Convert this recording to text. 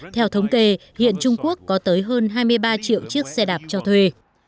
theo thống kê hiện trung quốc có tới hơn hai mươi ba triệu chiếc xe đạp cho thuê